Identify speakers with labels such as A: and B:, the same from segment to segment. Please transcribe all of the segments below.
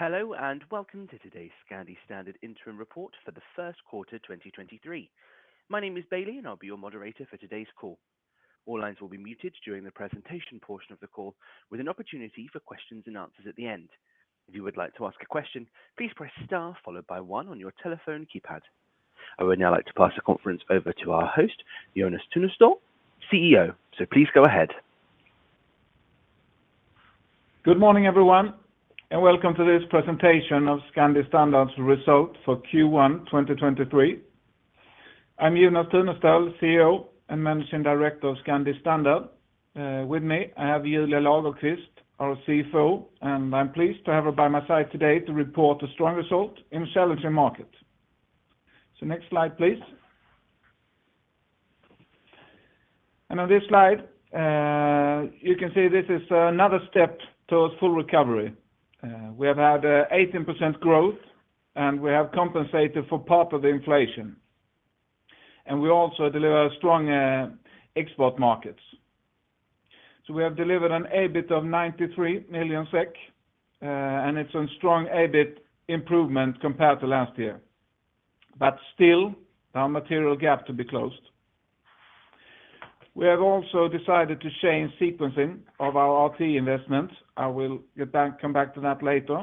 A: Hello, welcome to today's Scandi Standard Interim Report for the first quarter, 2023. My name is Bailey, I'll be your moderator for today's call. All lines will be muted during the presentation portion of the call, with an opportunity for questions and answers at the end. If you would like to ask a question, please press star followed by one on your telephone keypad. I would now like to pass the conference over to our host, Jonas Tunestål, CEO. Please go ahead.
B: Good morning, everyone, and welcome to this presentation of Scandi Standard's results for Q1, 2023. I'm Jonas Tunestål, CEO and Managing Director of Scandi Standard. With me, I have Julia Lagerqvist, our CFO, and I'm pleased to have her by my side today to report a strong result in a challenging market. Next slide, please. On this slide, you can see this is another step towards full recovery. We have had 18% growth, and we have compensated for part of the inflation. We also deliver strong export markets. We have delivered an EBIT of 93 million SEK, and it's a strong EBIT improvement compared to last year, but still a material gap to be closed. We have also decided to change sequencing of our RTE investments. I will come back to that later.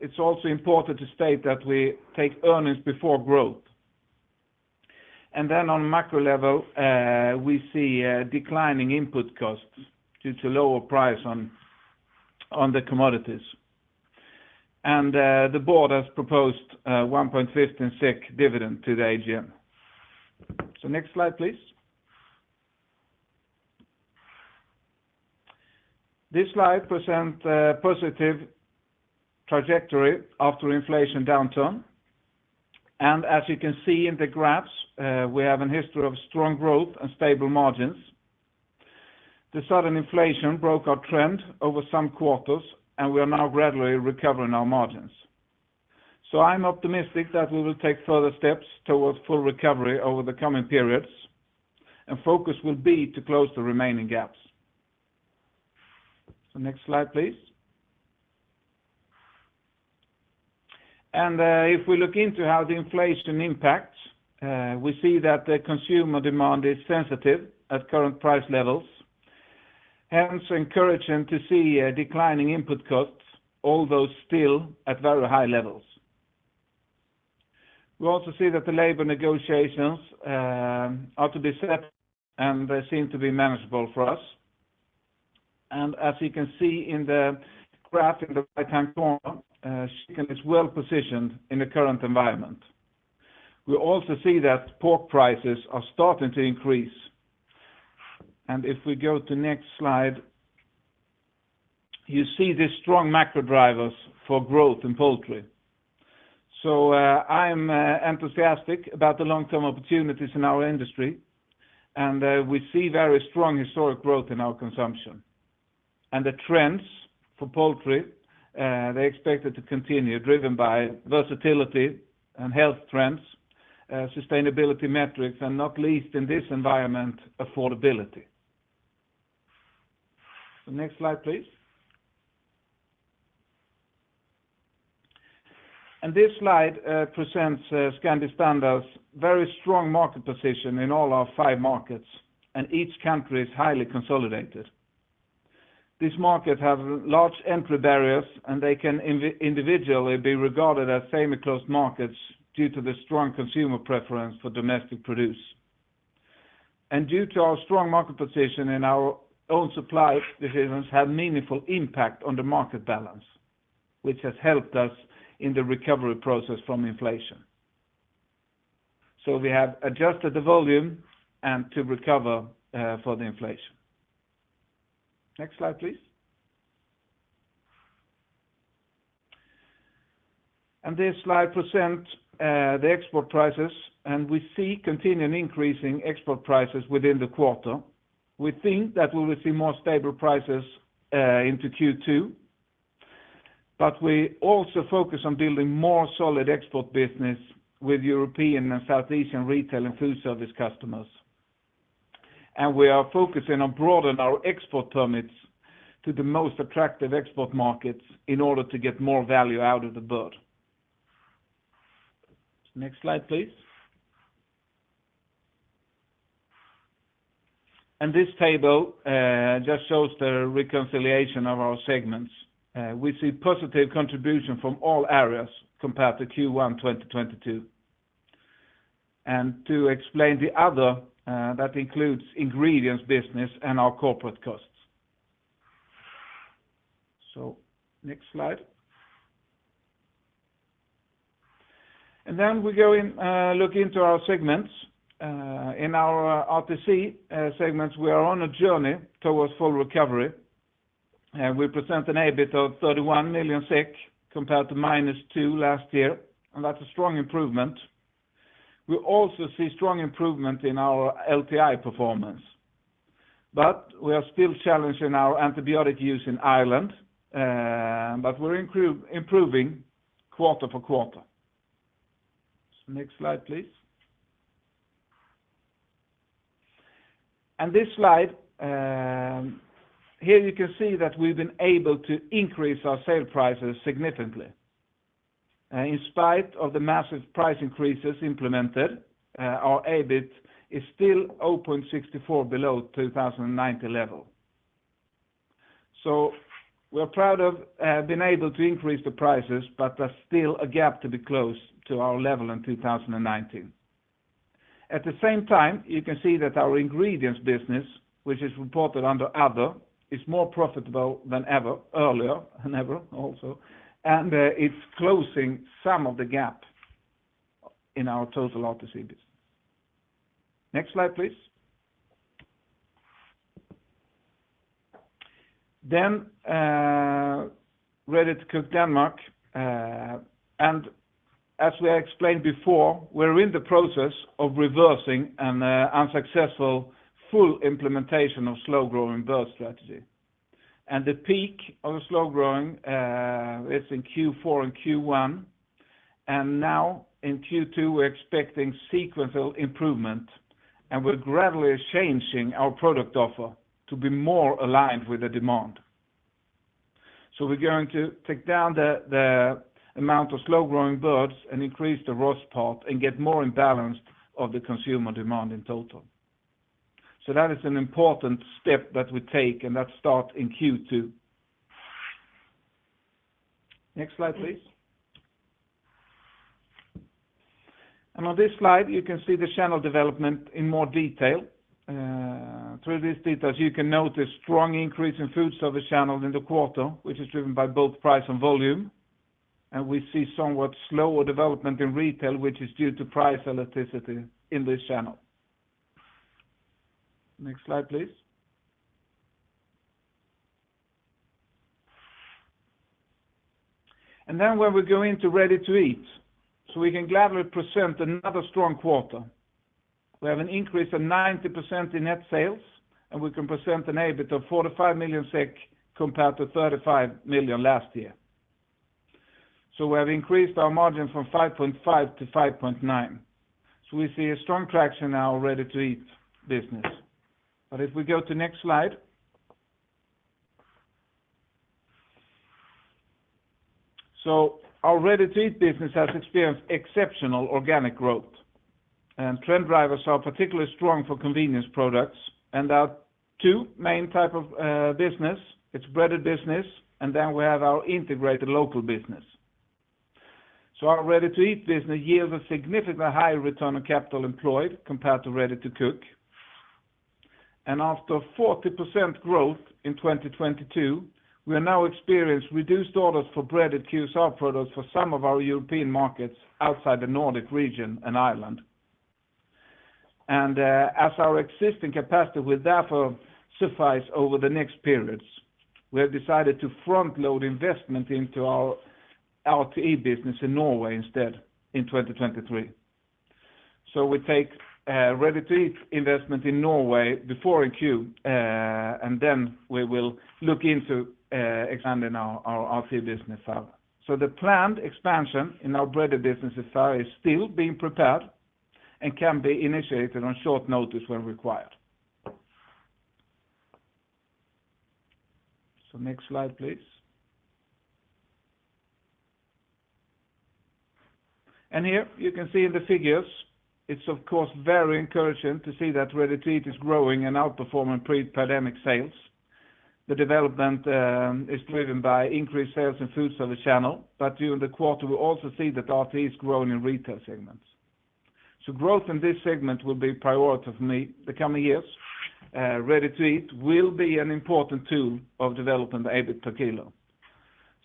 B: It's also important to state that we take earnings before growth. On macro level, we see declining input costs due to lower price on the commodities. The board has proposed 1.15 SEK dividend to the AGM. Next slide, please. This slide present a positive trajectory after inflation downturn. As you can see in the graphs, we have a history of strong growth and stable margins. The sudden inflation broke our trend over some quarters, and we are now gradually recovering our margins. I'm optimistic that we will take further steps towards full recovery over the coming periods, and focus will be to close the remaining gaps. Next slide, please. If we look into how the inflation impacts, we see that the consumer demand is sensitive at current price levels, hence encouraging to see a declining input costs, although still at very high levels. We also see that the labor negotiations are to be set, and they seem to be manageable for us. As you can see in the graph in the right-hand corner, chicken is well-positioned in the current environment. We also see that pork prices are starting to increase. If we go to next slide, you see the strong macro drivers for growth in poultry. I am enthusiastic about the long-term opportunities in our industry, we see very strong historic growth in our consumption. The trends for poultry, they're expected to continue, driven by versatility and health trends, sustainability metrics, and not least in this environment, affordability. Next slide, please. This slide presents Scandi Standard's very strong market position in all our five markets, and each country is highly consolidated. These markets have large entry barriers, and they can individually be regarded as semi-closed markets due to the strong consumer preference for domestic produce. Due to our strong market position and our own supply decisions have meaningful impact on the market balance, which has helped us in the recovery process from inflation. We have adjusted the volume and to recover for the inflation. Next slide, please. This slide present the export prices, and we see continuing increasing export prices within the quarter. We think that we will see more stable prices into Q2. We also focus on building more solid export business with European and Southeast Asian retail and food service customers. We are focusing on broadening our export permits to the most attractive export markets in order to get more value out of the bird. Next slide, please. This table just shows the reconciliation of our segments. We see positive contribution from all areas compared to Q1 2022. To explain the other, that includes ingredients business and our corporate costs. Next slide. We go and look into our segments. In our RTC segments, we are on a journey towards full recovery, and we present an EBIT of 31 million SEK compared to -2 last year, and that's a strong improvement. We also see strong improvement in our LTI performance, but we are still challenged in our antibiotic use in Ireland, but we're improving quarter for quarter. Next slide, please. This slide, here you can see that we've been able to increase our sale prices significantly. In spite of the massive price increases implemented, our EBIT is still 0.64 below 2,090 level. We're proud of being able to increase the prices, but there's still a gap to be closed to our level in 2019. At the same time, you can see that our ingredients business, which is reported under other, is more profitable than earlier than ever also. It's closing some of the gap in our total RTC business. Next slide, please. Ready-to-Cook Denmark, and as we explained before, we're in the process of reversing an unsuccessful full implementation of slow-growing bird strategy. The peak of the slow growing is in Q4 and Q1. Now in Q2, we're expecting sequential improvement, and we're gradually changing our product offer to be more aligned with the demand. We're going to take down the amount of slow-growing birds and increase the roast part and get more in balance of the consumer demand in total. That is an important step that we take, and that start in Q2. Next slide, please. On this slide, you can see the channel development in more detail. Through these details, you can note a strong increase in food service channels in the quarter, which is driven by both price and volume. We see somewhat slower development in retail, which is due to price elasticity in this channel. Next slide, please. When we go into Ready-to-Eat, we can gladly present another strong quarter. We have an increase of 90% in net sales, we can present an EBIT of 45 million SEK compared to 35 million last year. We have increased our margin from 5.5%-5.9%. We see a strong traction now in Ready-to-Eat business. If we go to next slide. Our Ready-to-Eat business has experienced exceptional organic growth, trend drivers are particularly strong for convenience products. Our two main type of business, it's breaded business, we have our integrated local business. Our Ready-to-Eat business yields a significantly higher return on capital employed compared to Ready-to-Cook. After 40% growth in 2022, we are now experienced reduced orders for breaded QSR products for some of our European markets outside the Nordic region and Ireland. As our existing capacity will therefore suffice over the next periods, we have decided to front-load investment into our RTE business in Norway instead in 2023. We take Ready-to-Eat investment in Norway before [IQ], and then we will look into expanding our RTE business. The planned expansion in our breaded business society is still being prepared and can be initiated on short notice when required. Next slide, please. Here you can see in the figures, it's of course, very encouraging to see that Ready-to-Eat is growing and outperforming pre-pandemic sales. The development is driven by increased sales in food service channel. During the quarter, we also see that RTE is growing in retail segments. Growth in this segment will be priority for me the coming years. Ready-to-Eat will be an important tool of developing the EBIT per kilo.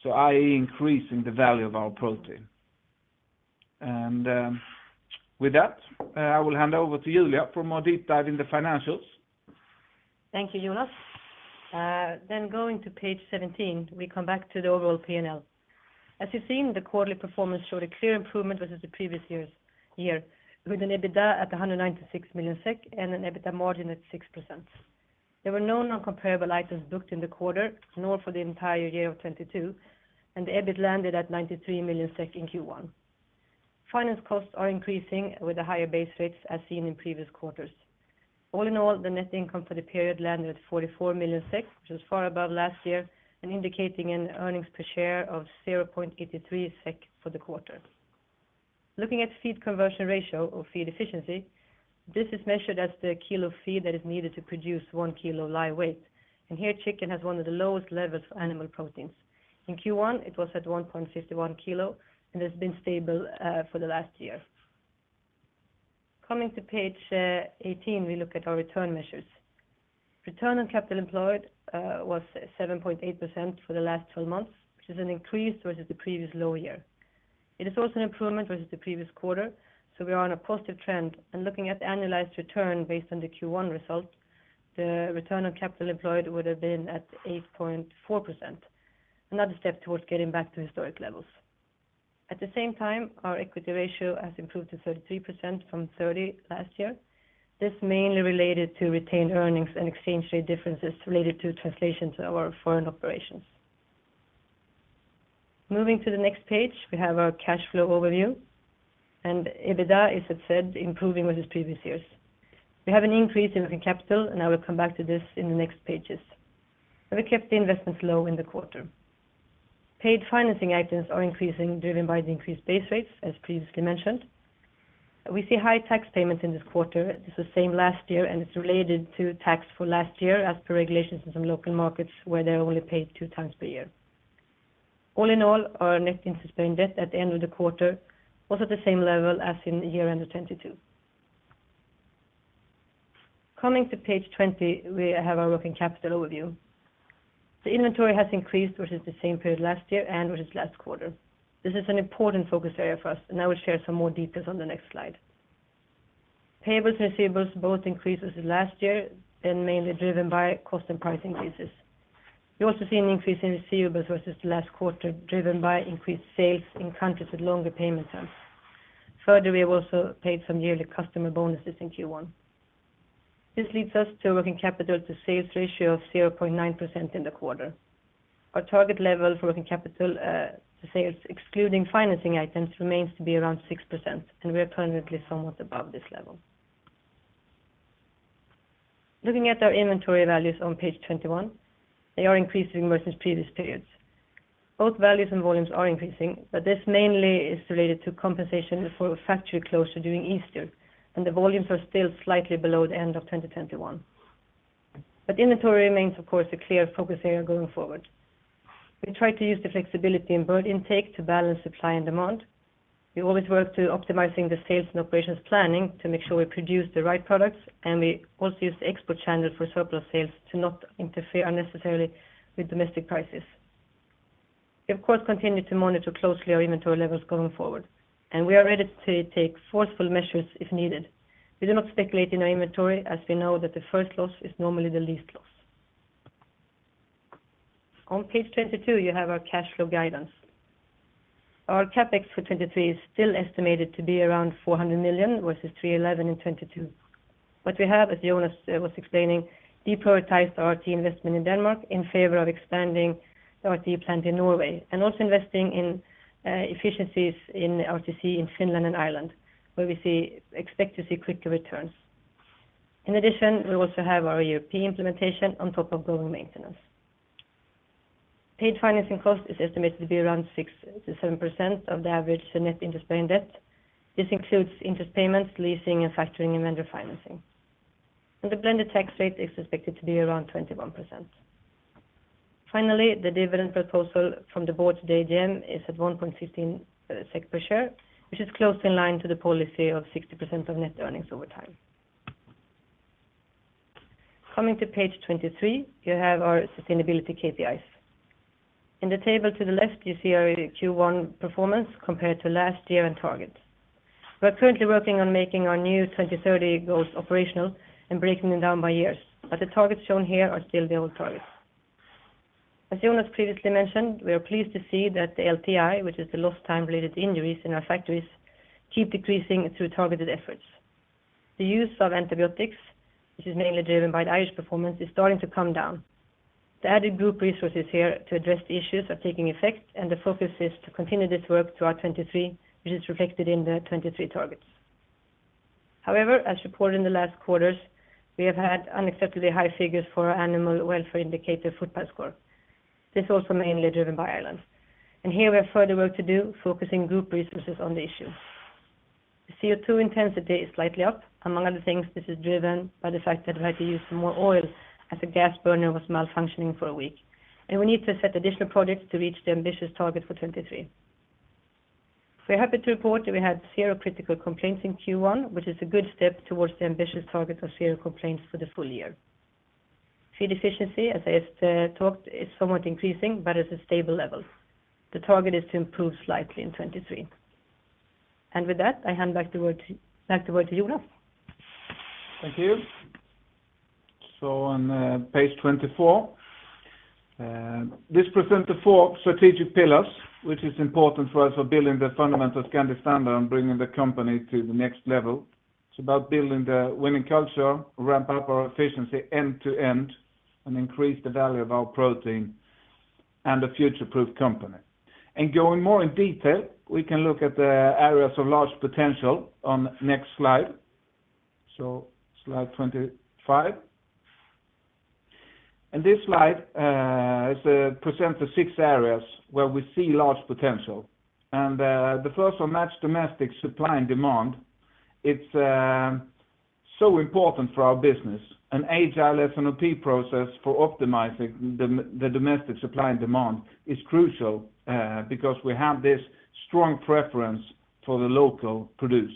B: I.e. increasing the value of our protein. With that, I will hand over to Julia for more deep dive in the financials.
C: Thank you, Jonas. Going to page 17, we come back to the overall P&L. As you've seen, the quarterly performance showed a clear improvement versus the previous year, with an EBITDA at 196 million SEK and an EBITDA margin at 6%. There were no non-comparable items booked in the quarter, nor for the entire year of 2022, and the EBIT landed at 93 million SEK in Q1. Finance costs are increasing with the higher base rates as seen in previous quarters. All in all, the net income for the period landed at 44 million SEK, which was far above last year and indicating an earnings per share of 0.83 SEK for the quarter. Looking at feed conversion ratio or feed efficiency, this is measured as the kilo of feed that is needed to produce one kilo live weight. Here, chicken has one of the lowest levels for animal proteins. In Q1, it was at 1.51 kilo and has been stable for the last year. Coming to page 18, we look at our return measures. Return on capital employed was 7.8% for the last 12 months, which is an increase versus the previous low year. It is also an improvement versus the previous quarter, so we are on a positive trend. Looking at the annualized return based on the Q1 result, the return on capital employed would have been at 8.4%, another step towards getting back to historic levels. At the same time, our equity ratio has improved to 33% from 30 last year. This mainly related to retained earnings and exchange rate differences related to translation to our foreign operations. Moving to the next page, we have our cash flow overview and EBITDA, as I said, improving versus previous years. We have an increase in working capital, and I will come back to this in the next pages. We kept the investments low in the quarter. Paid financing items are increasing, driven by the increased base rates, as previously mentioned. We see high tax payments in this quarter. This is the same last year, and it's related to tax for last year as per regulations in some local markets where they only pay two times per year. All in all, our net interest-bearing debt at the end of the quarter was at the same level as in year-end of 2022. Coming to page 20, we have our working capital overview. The inventory has increased versus the same period last year and versus last quarter. This is an important focus area for us, and I will share some more details on the next slide. Payables and receivables both increased versus last year and mainly driven by cost and price increases. We also see an increase in receivables versus the last quarter, driven by increased sales in countries with longer payment terms. Further, we have also paid some yearly customer bonuses in Q1. This leads us to a working capital to sales ratio of 0.9% in the quarter. Our target level for working capital to sales, excluding financing items, remains to be around 6%, and we are currently somewhat above this level. Looking at our inventory values on page 21, they are increasing versus previous periods. Both values and volumes are increasing, this mainly is related to compensation for a factory closure during Easter, and the volumes are still slightly below the end of 2021. Inventory remains, of course, a clear focus area going forward. We try to use the flexibility in bird intake to balance supply and demand. We always work to optimizing the sales and operations planning to make sure we produce the right products, and we also use the export channel for surplus sales to not interfere unnecessarily with domestic prices. We, of course, continue to monitor closely our inventory levels going forward, and we are ready to take forceful measures if needed. We do not speculate in our inventory as we know that the first loss is normally the least loss. On page 22, you have our cash flow guidance. Our CapEx for 2023 is still estimated to be around 400 million versus 311 in 2022. What we have, as Jonas was explaining, deprioritized our RTC investment in Denmark in favor of expanding our RTC plant in Norway and also investing in efficiencies in RTC in Finland and Ireland, where we expect to see quicker returns. In addition, we also have our ERP implementation on top of global maintenance. Paid financing cost is estimated to be around 6%-7% of the average net interest-bearing debt. This includes interest payments, leasing and factoring and vendor financing. The blended tax rate is expected to be around 21%. Finally, the dividend proposal from the board to the AGM is at 1.15 SEK per share, which is closely in line to the policy of 60% of net earnings over time. Coming to page 23, you have our sustainability KPIs. In the table to the left, you see our Q1 performance compared to last year and targets. We are currently working on making our new 2030 goals operational and breaking them down by years, the targets shown here are still the old targets. As Jonas previously mentioned, we are pleased to see that the LTI, which is the lost time related to injuries in our factories, keep decreasing through targeted efforts. The use of antibiotics, which is mainly driven by the Irish performance, is starting to come down. The added group resources here to address the issues are taking effect, the focus is to continue this work throughout 23, which is reflected in the 23 targets. As reported in the last quarters, we have had unacceptably high figures for our Animal Welfare Indicator footpad score. This is also mainly driven by Ireland. Here we have further work to do, focusing group resources on the issue. CO2 intensity is slightly up. Among other things, this is driven by the fact that we had to use some more oil as a gas burner was malfunctioning for a week. We need to set additional projects to reach the ambitious target for 2023. We're happy to report that we had zero critical complaints in Q1, which is a good step towards the ambitious target of zero complaints for the full year. Feed efficiency, as I talked, is somewhat increasing but is a stable level. The target is to improve slightly in 2023. With that, I hand back the word to Jonas.
B: Thank you. On page 24, this presents the four strategic pillars, which is important for us for building the fundamentals of Scandi Standard and bringing the company to the next level. It's about building the winning culture, ramp up our efficiency end to end, and increase the value of our protein and a future-proof company. Going more in detail, we can look at the areas of large potential on next slide. Slide 25. This slide presents the six areas where we see large potential. The first one, match domestic supply and demand, it's so important for our business. An agile S&OP process for optimizing the domestic supply and demand is crucial because we have this strong preference for the local produce.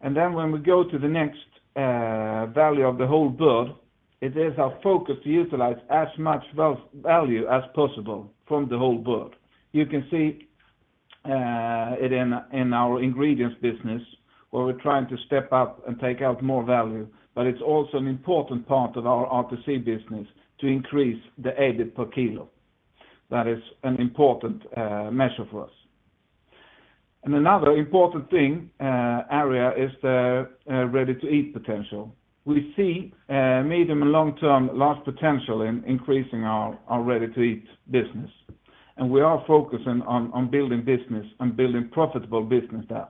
B: When we go to the next value of the whole bird, it is our focus to utilize as much value as possible from the whole bird. You can see it in our ingredients business where we're trying to step up and take out more value, but it's also an important part of our RTC business to increase the EBIT per kilo. That is an important measure for us. Another important thing, area is the Ready-to-Eat potential. We see medium and long-term large potential in increasing our Ready-to-Eat business, and we are focusing on building business and building profitable business there.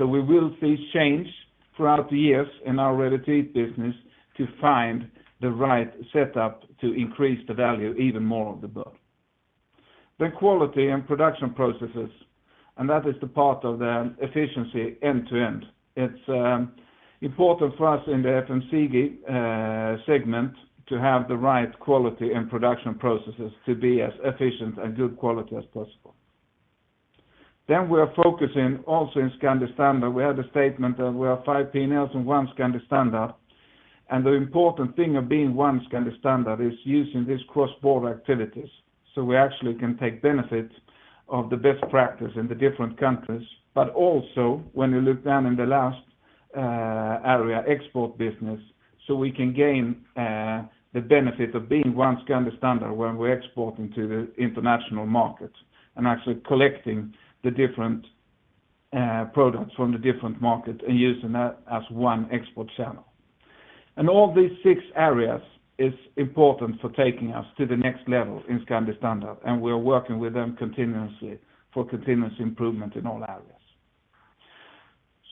B: We will see change throughout the years in our Ready-to-Eat business to find the right setup to increase the value even more of the bird. The quality and production processes, and that is the part of the efficiency end to end. It's important for us in the FMCG segment to have the right quality and production processes to be as efficient and good quality as possible. We are focusing also in Scandi Standard. We have the statement that we are five P&L and one Scandi Standard. The important thing of being one Scandi Standard is using these cross-border activities. We actually can take benefits of the best practice in the different countries, but also when you look down in the last area, export business, we can gain the benefit of being one Scandi Standard when we're exporting to the international markets and actually collecting the different products from the different markets and using that as one export channel. All these six areas is important for taking us to the next level in Scandi Standard, and we are working with them continuously for continuous improvement in all areas.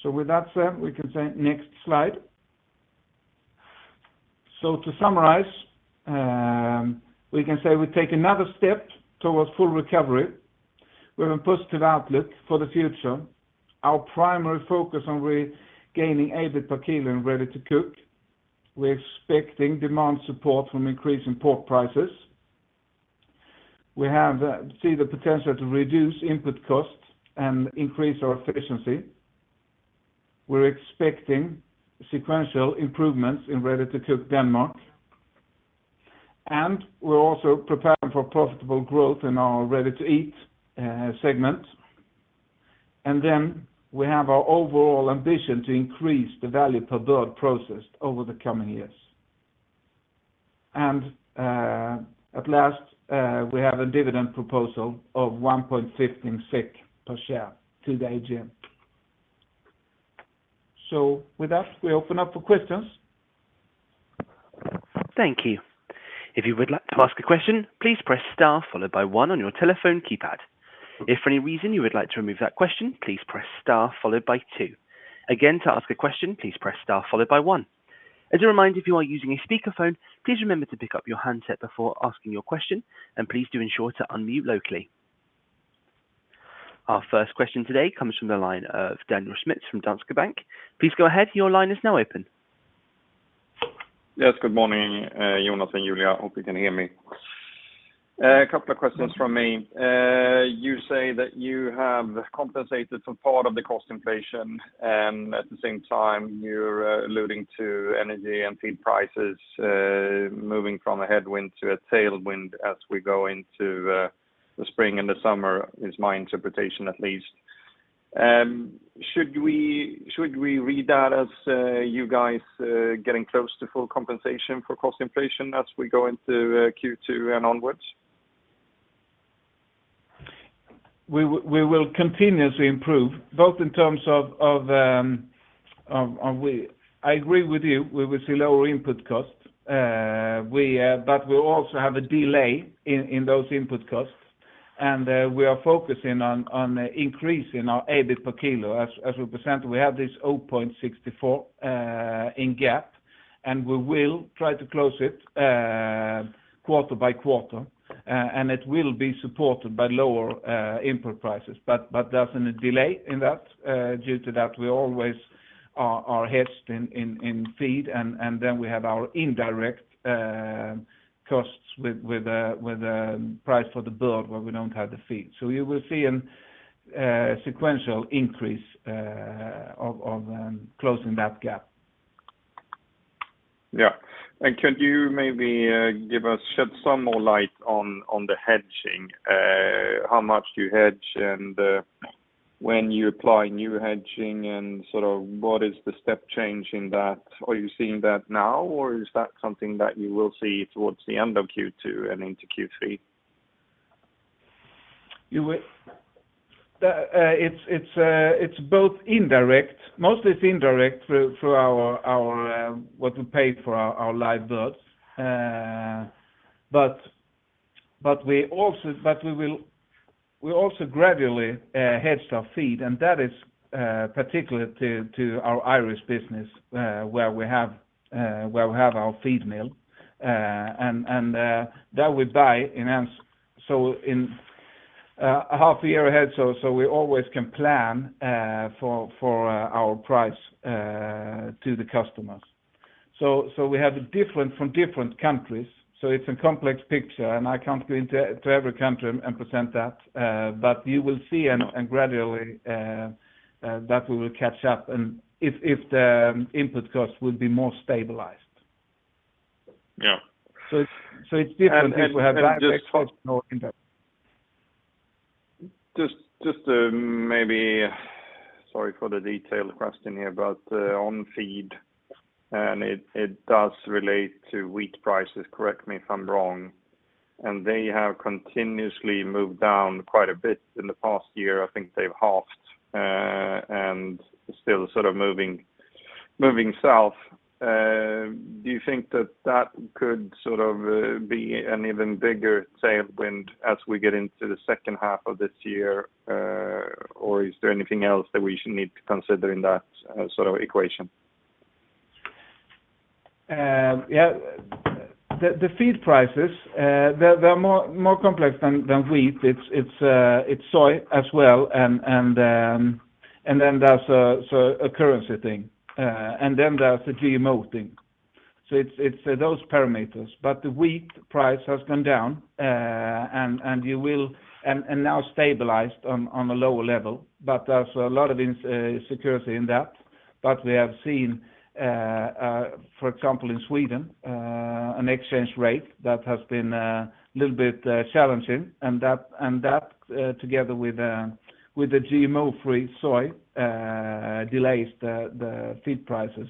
B: With that said, we can say next slide. To summarize, we can say we take another step towards full recovery. We have a positive outlook for the future. Our primary focus on regaining EBIT per kilo in Ready-to-Cook. We're expecting demand support from increasing pork prices. See the potential to reduce input costs and increase our efficiency. We're expecting sequential improvements in Ready-to-Cook Denmark. We're also preparing for profitable growth in our Ready- to-Eat segment. We have our overall ambition to increase the value per bird processed over the coming years. At last, we have a dividend proposal of 1.15 SEK per share to the AGM. With that, we open up for questions.
A: Thank you. If you would like to ask a question, please press star followed by one on your telephone keypad. If for any reason you would like to remove that question, please press star followed by two. Again, to ask a question, please press star followed by one. As a reminder, if you are using a speakerphone, please remember to pick up your handset before asking your question, and please do ensure to unmute locally. Our first question today comes from the line of Daniel Schmidt from Danske Bank. Please go ahead. Your line is now open.
D: Yes. Good morning, Jonas and Julia. Hope you can hear me. A couple of questions from me. You say that you have compensated some part of the cost inflation, and at the same time you're alluding to energy and feed prices, moving from a headwind to a tailwind as we go into the spring and the summer, is my interpretation at least. Should we read that as you guys getting close to full compensation for cost inflation as we go into Q2 and onwards?
B: We will continuously improve, both in terms of we. I agree with you. We will see lower input costs. We, but we also have a delay in those input costs. We are focusing on increasing our EBIT per kilo. As we presented, we have this 0.64 in gap, and we will try to close it quarter by quarter, and it will be supported by lower input prices. There's a delay in that. Due to that, we always are hedged in feed and then we have our indirect costs with price for the bird where we don't have the feed. You will see a sequential increase of closing that gap.
D: Yeah. Could you maybe shed some more light on the hedging? How much do you hedge and when you apply new hedging and sort of what is the step change in that? Are you seeing that now, or is that something that you will see towards the end of Q2 and into Q3?
B: It's both indirect. Mostly, it's indirect through what we pay for our live birds. We also gradually hedge our feed, and that is particular to our Irish business, where we have our feed mill, and that we buy in advance. In a half a year ahead, we always can plan for our price to the customers. We have different from different countries, so it's a complex picture, and I can't go into every country and present that. You will see and gradually that we will catch up and if the input costs will be more stabilized.
D: Yeah.
B: It's different as we have direct exposure or indirect.
D: Just to maybe. Sorry for the detailed question here, but on feed and it does relate to wheat prices, correct me if I'm wrong, and they have continuously moved down quite a bit in the past year. I think they've halved and still sort of moving south. Do you think that that could sort of be an even bigger tailwind as we get into the second half of this year, or is there anything else that we should need to consider in that sort of equation?
B: Yeah. The feed prices, they're more complex than wheat. It's soy as well, and then there's a currency thing, and then there's the GMO thing. It's those parameters. The wheat price has come down, and you will... Now stabilized on a lower level, but there's a lot of insecurity in that. We have seen, for example in Sweden, an exchange rate that has been a little bit challenging and that, together with the GMO free soy, delays the feed prices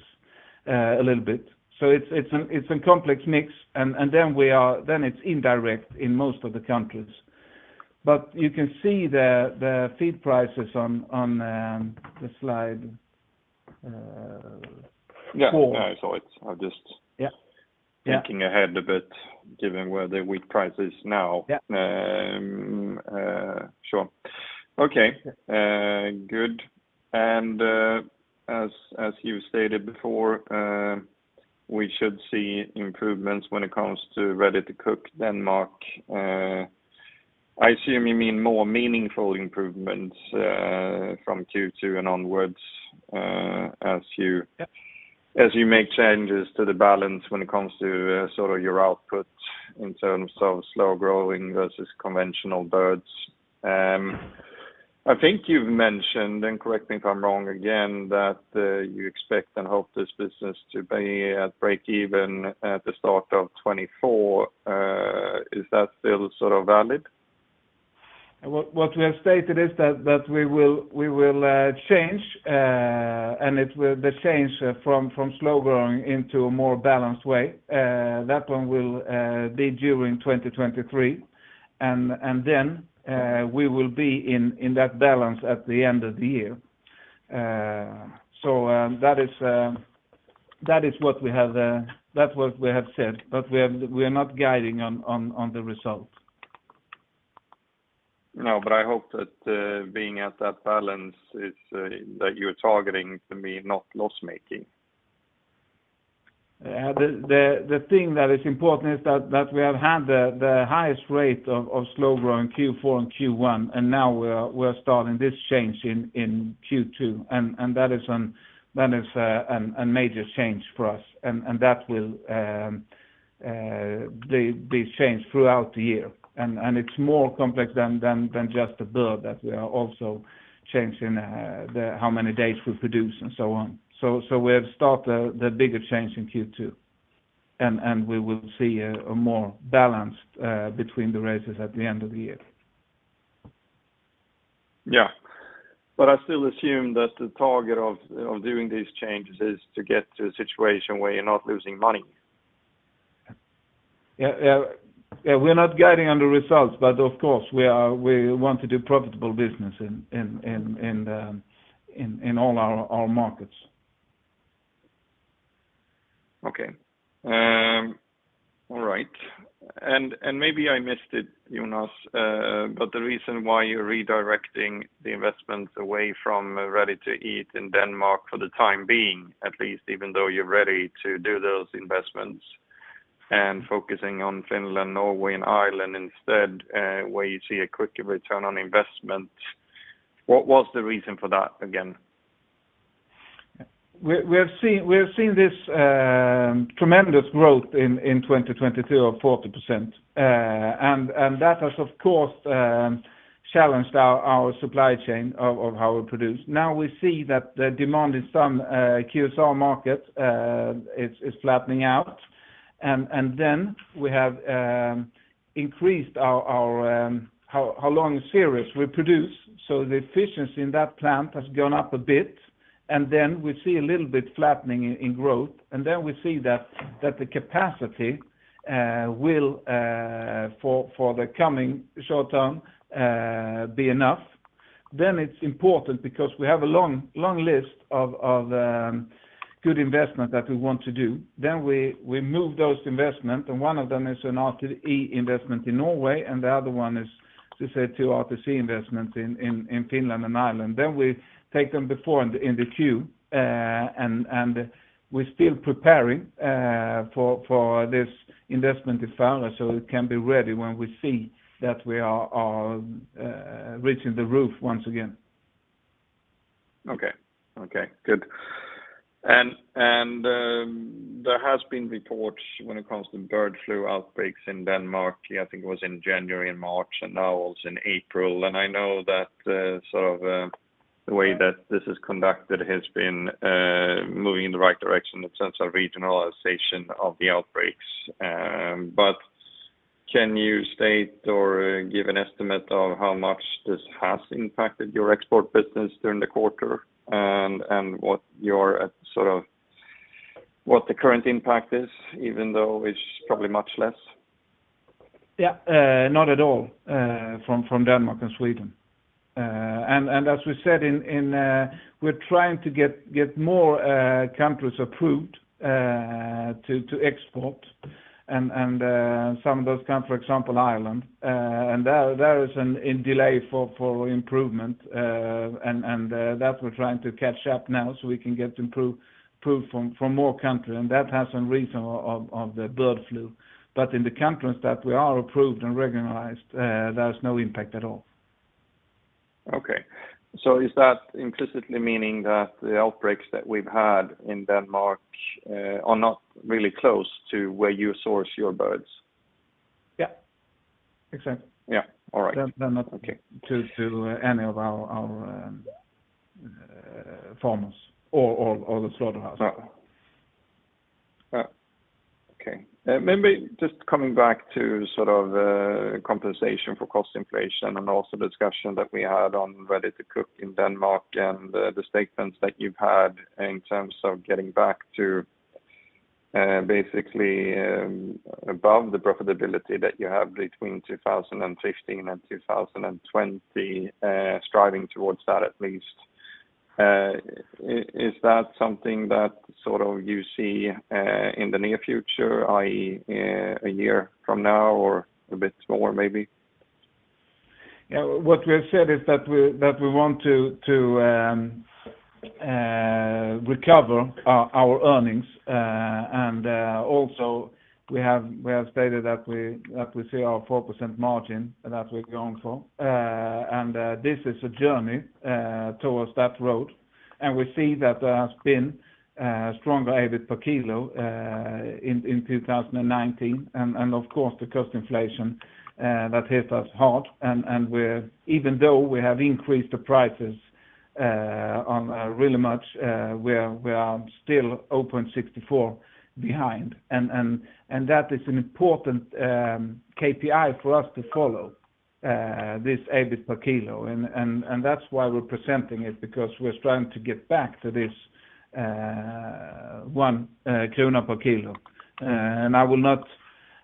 B: a little bit. It's an, it's a complex mix and then we are... Then it's indirect in most of the countries. You can see the feed prices on the slide.
D: Yeah...
B: four.
D: Yeah, I saw it.
B: Yeah. Yeah....
D: thinking ahead a bit given where the wheat price is now.
B: Yeah.
D: Sure. Okay. Good. As you stated before, we should see improvements when it comes to Ready-to-Cook Denmark. I assume you mean more meaningful improvements from Q2 and onwards.
B: Yeah
D: as you make changes to the balance when it comes to, sort of your output in terms of slow-growing versus conventional birds. I think you've mentioned, and correct me if I'm wrong again, that, you expect and hope this business to be at break even at the start of 2024. Is that still sort of valid?
B: What we have stated is that we will change. The change from slow growing into a more balanced way, that one will be during 2023. Then we will be in that balance at the end of the year. That is what we have that's what we have said, but we are not guiding on the results.
D: No, I hope that being at that balance is that you're targeting to be not loss making.
B: The thing that is important is that we have had the highest rate of slow growth in Q4 and Q1, and we are starting this change in Q2, and that is a major change for us. That will be changed throughout the year. It's more complex than just the bird, as we are also changing the how many days we produce and so on. We have start the bigger change in Q2, and we will see a more balanced between the races at the end of the year.
D: Yeah. I still assume that the target of doing these changes is to get to a situation where you're not losing money.
B: Yeah. Yeah. Yeah. We're not guiding on the results, but of course, we are, we want to do profitable business in all our markets.
D: Okay. All right. Maybe I missed it, Jonas, but the reason why you're redirecting the investments away from Ready-to-Eat in Denmark for the time being, at least, even though you're ready to do those investments, and focusing on Finland, Norway, and Ireland instead, where you see a quicker return on investment, what was the reason for that again?
B: We have seen this tremendous growth in 2022 of 40%. That has of course challenged our supply chain of how we produce. Now we see that the demand in some QSR markets is flattening out. Then we have increased our how long a series we produce, so the efficiency in that plant has gone up a bit. Then we see a little bit flattening in growth, then we see that the capacity will for the coming short term be enough. It's important because we have a long list of good investment that we want to do. We move those investment, and one of them is an RTE investment in Norway, and the other one is, as you said, two RTC investments in Finland and Ireland. We take them before in the queue, and we're still preparing for this investment in Farre so it can be ready when we see that we are reaching the roof once again.
D: Okay. Okay, good. There has been reports when it comes to bird flu outbreaks in Denmark, yeah, I think it was in January and March, and now also in April. I know that, sort of, the way that this is conducted has been moving in the right direction in the sense of regionalization of the outbreaks. Can you state or give an estimate of how much this has impacted your export business during the quarter and what your, sort of what the current impact is, even though it's probably much less?
B: Yeah, not at all, from Denmark and Sweden. As we said, we're trying to get more countries approved, to export and some of those countries, for example, Ireland, and there is an in delay for improvement. That we're trying to catch up now so we can get approved from more country. That has some reason of the bird flu. In the countries that we are approved and recognized, there is no impact at all.
D: Okay. Is that implicitly meaning that the outbreaks that we've had in Denmark, are not really close to where you source your birds?
B: Yeah. Exactly.
D: Yeah. All right.
B: They're not- Okay To any of our farmers or the slaughterhouse.
D: Okay. Maybe just coming back to sort of compensation for cost inflation and also discussion that we had on Ready-to-Cook in Denmark and the statements that you've had in terms of getting back to basically above the profitability that you have between 2015 and 2020, striving towards that at least. Is that something that sort of you see in the near future, i.e., a year from now or a bit more maybe?
B: What we have said is that we want to recover our earnings. Also we have stated that we see our 4% margin that we're going for. This is a journey towards that road, and we see that there has been stronger EBIT per kilo in 2019. Of course, the cost inflation that hit us hard. Even though we have increased the prices on really much, we are still 0.64 behind. That is an important KPI for us to follow this EBIT per kilo. That's why we're presenting it, because we're trying to get back to this 1 krona per kilo.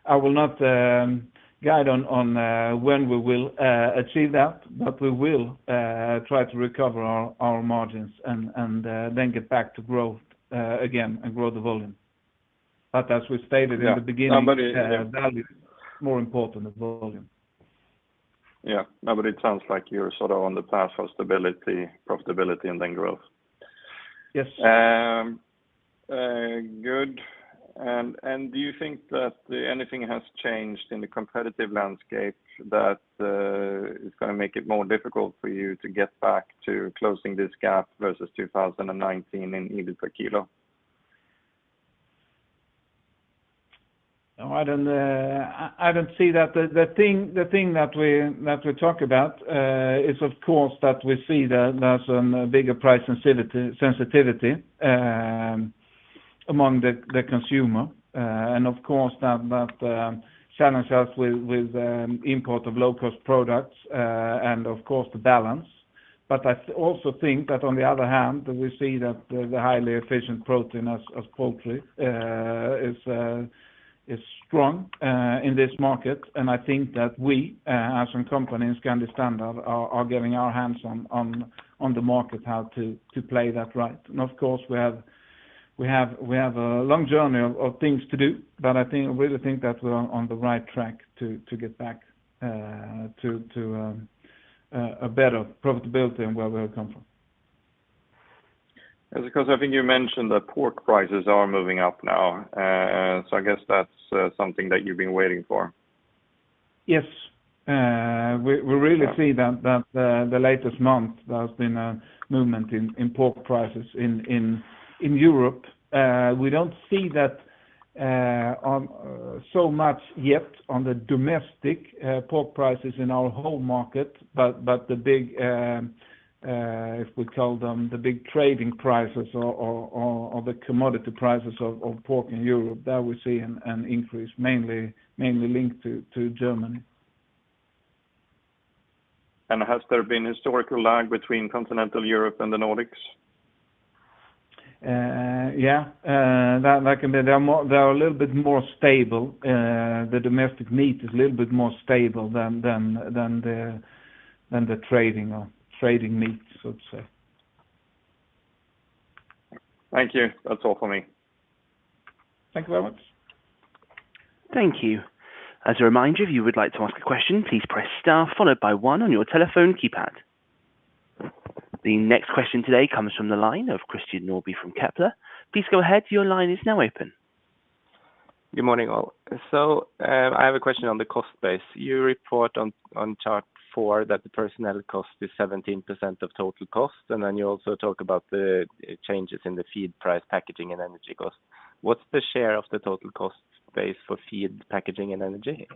B: I will not guide on when we will achieve that, we will try to recover our margins and then get back to growth again and grow the volume. As we stated in the beginning.
D: Yeah. No, but it, yeah
B: The value is more important than volume.
D: Yeah. No. It sounds like you're sort of on the path for stability, profitability, and then growth.
B: Yes.
D: good. Do you think that anything has changed in the competitive landscape that is gonna make it more difficult for you to get back to closing this gap versus 2019 in EBIT per kilo?
B: No, I don't see that. The thing that we talk about is of course that we see there's some bigger price sensitivity among the consumer. Of course now that challenges us with import of low-cost products and of course the balance. I also think that on the other hand, we see that the highly efficient protein as poultry is strong in this market. I think that we as a company in Scandi Standard are getting our hands on the market how to play that right. Of course, we have a long journey of things to do. I think, I really think that we're on the right track to get back to a better profitability than where we have come from.
D: Yeah. Because I think you mentioned that pork prices are moving up now. I guess that's something that you've been waiting for.
B: Yes. We really see that the latest month there's been a movement in pork prices in Europe. We don't see that on so much yet on the domestic pork prices in our home market. The big if we call them the big trading prices or the commodity prices of pork in Europe, there we're seeing an increase mainly linked to Germany.
D: Has there been historical lag between continental Europe and the Nordics?
B: Yeah. That can be. They are a little bit more stable. The domestic meat is a little bit more stable than the trading or trading meats, I would say.
D: Thank you. That's all for me.
B: Thank you very much.
A: Thank you. As a reminder, if you would like to ask a question, please press star followed by one on your telephone keypad. The next question today comes from the line of Christian Nordby from Kepler. Please go ahead. Your line is now open.
E: Good morning, all. I have a question on the cost base. You report on chart four that the personnel cost is 17% of total cost, you also talk about the changes in the feed price, packaging, and energy costs. What's the share of the total cost base for feed, packaging, and energy?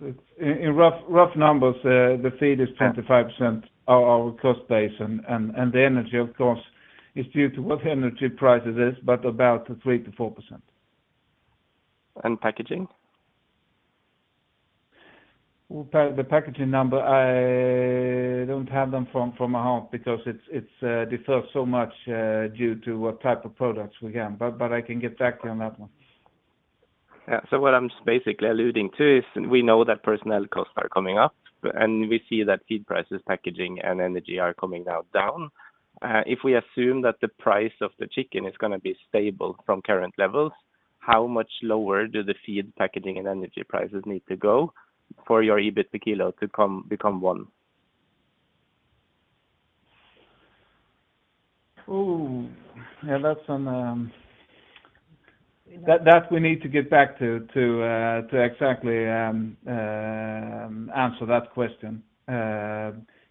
B: It's, In rough numbers, the feed is 25% our cost base and the energy, of course, is due to what the energy prices is, but about 3%-4%.
E: Packaging?
B: Well, the packaging number, I don't have them from my heart because it differs so much due to what type of products we have, but I can get back to you on that one.
E: What I'm basically alluding to is we know that personnel costs are coming up, but... and we see that feed prices, packaging, and energy are coming now down. If we assume that the price of the chicken is gonna be stable from current levels, how much lower do the feed, packaging, and energy prices need to go for your EBIT per kilo to become one?
B: Ooh. Yeah, that's some, that we need to get back to, to exactly answer that question.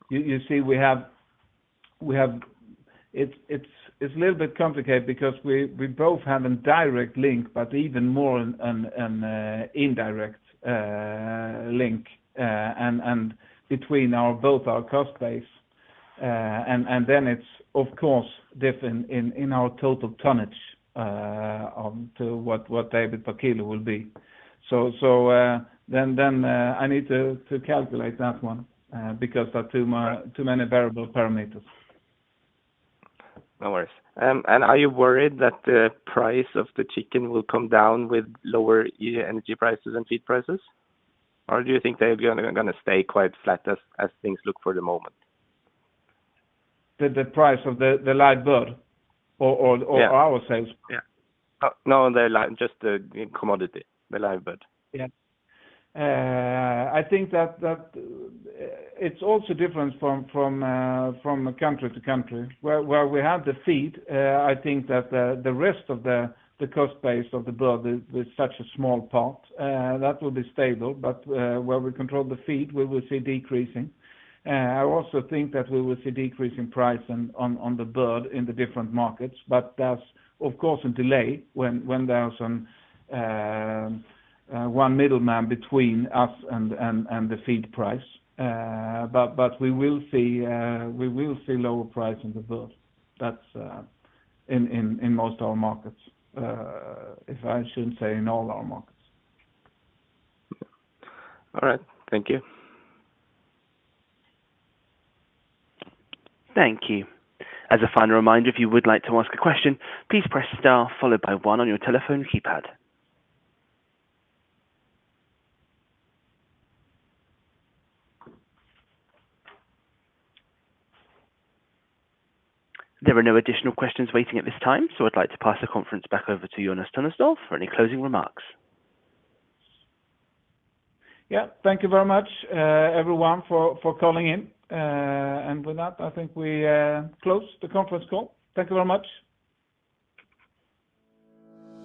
B: You see, we have, it's a little bit complicated because we both have a direct link, but even more an indirect link and between our both our cost base. Then it's, of course, different in our total tonnage on to what EBIT per kilo will be. Then I need to calculate that one because there are too many variable parameters.
E: No worries. Are you worried that the price of the chicken will come down with lower energy prices and feed prices? Or do you think they're gonna stay quite flat as things look for the moment?
B: The price of the live bird?
E: Yeah.
B: Our sales price?
E: Yeah. No, just the commodity, the live bird.
B: Yeah. I think that it's also different from country to country. Where we have the feed, I think that the rest of the cost base of the bird is such a small part that will be stable. Where we control the feed, we will see decreasing. I also think that we will see decrease in price on the bird in the different markets. That's of course a delay when there's one middleman between us and the feed price. We will see lower price in the bird. That's in most our markets, if I shouldn't say in all our markets.
E: All right. Thank you.
A: Thank you. As a final reminder, if you would like to ask a question, please press star followed by one on your telephone keypad. There are no additional questions waiting at this time. I'd like to pass the conference back over to Jonas Tunestål for any closing remarks.
B: Yeah. Thank you very much, everyone for calling in. With that, I think we close the conference call. Thank you very much.